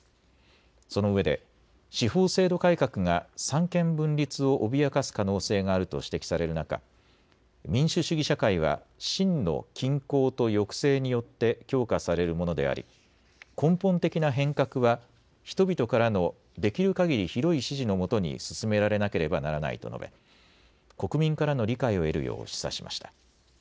そのうえで司法制度改革が三権分立を脅かす可能性があると指摘される中、民主主義社会は真の均衡と抑制によって強化されるものであり根本的な変革は人々からのできるかぎり広い支持のもとに進められなければならないと述べ国民からの理解を得るよう示唆しました。